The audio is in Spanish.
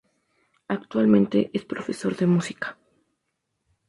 Actualmente es profesor de música.